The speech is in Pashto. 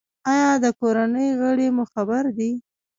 ایا د کورنۍ غړي مو خبر دي؟